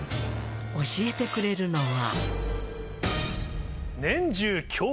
教えてくれるのは？